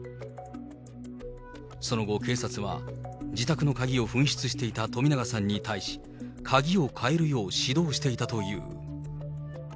その後、警察は自宅の鍵を紛失していた冨永さんに対し、鍵を変えるよう指導していたという。